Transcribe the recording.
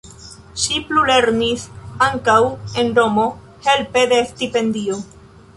Ŝi plulernis ankaŭ en Romo helpe de stipendio.